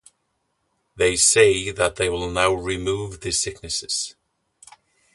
They say that they will now remove the sicknesses.